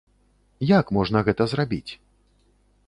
Як можна гэта зрабіць?